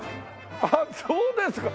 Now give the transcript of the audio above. あっそうですか。